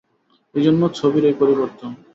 এই জন্যে ছবির এই পরিবর্তন।